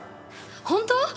本当？